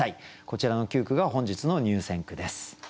こちらの９句が本日の入選句です。